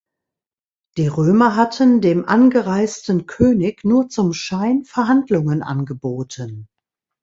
Die Römer hatten dem angereisten König nur zum Schein Verhandlungen angeboten.